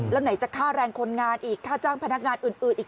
แล้วไหนจะค่าแรงคนงานอีกค่าจ้างพนักงานอื่นอีก